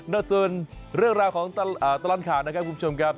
นอกจากนี้เรื่องราวของตลาดขาดนะครับคุณผู้ชมครับ